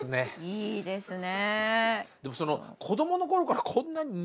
いいですね。